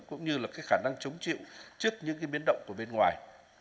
cũng như là cái khả năng chống chịu trước những cái biến động của bên ngoài